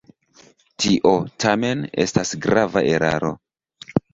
Tio, tamen, estas grava eraro.